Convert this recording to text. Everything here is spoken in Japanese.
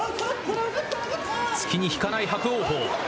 突きに引かない、伯桜鵬。